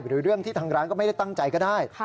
หรือเรื่องที่ทางร้านก็ไม่ได้ตั้งใจก็ได้